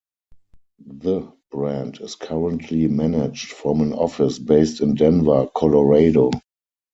The brand is currently managed from an office based in Denver, Colorado.